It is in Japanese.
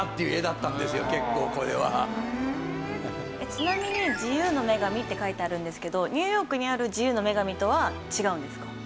ちなみに『自由の女神』って書いてあるんですけどニューヨークにある『自由の女神』とは違うんですか？